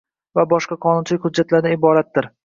va boshqa qonunchilik hujjatlaridan iboratdir.